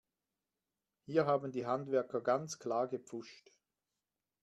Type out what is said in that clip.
Hier haben die Handwerker ganz klar gepfuscht.